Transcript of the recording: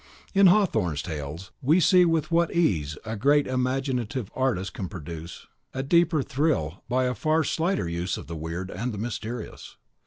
In Hawthorne's tales we see with what ease a great imaginative artist can produce a deeper thrill by a far slighter use of the weird and the mysterious.